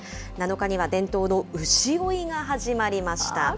７日には伝統の牛追いが始まりました。